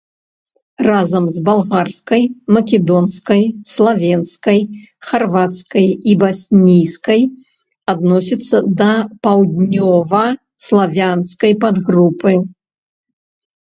Разам з балгарскай, македонскай, славенскай, харвацкай і баснійскай адносіцца да паўднёваславянскай падгрупы.